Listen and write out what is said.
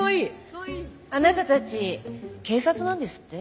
あなたたち警察なんですって？